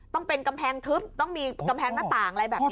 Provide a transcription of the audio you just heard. ต้องเป็นกำแพงทึบต้องมีกำแพงหน้าต่างอะไรแบบนี้